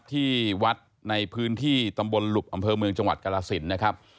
ที่วัดในพื้นที่ตำบลหลุบอำเภอเมืองจังหวัดกรสินนะครับ